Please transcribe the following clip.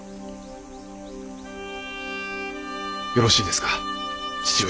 よろしいですか義父上。